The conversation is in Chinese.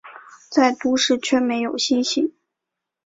在都市却没有星星